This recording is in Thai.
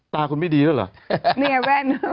ตาคุณไม่ดีแหละหรือ